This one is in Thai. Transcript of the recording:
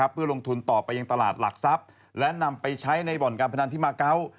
เพื่อลงทุนต่อไปยังตลาดหลักทรัพย์และนำไปใช้ในบ่อนการพนันที่มาเกาะ